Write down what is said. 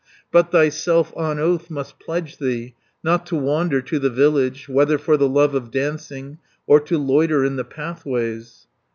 But thyself on oath must pledge thee, Not to wander to the village, Whether for the love of dancing, Or to loiter in the pathways."